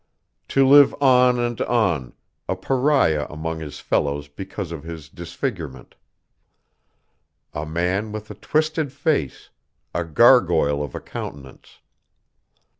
To live on and on, a pariah among his fellows because of his disfigurement. A man with a twisted face, a gargoyle of a countenance.